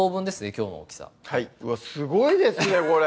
きょうの大きさうわっすごいですねこれ！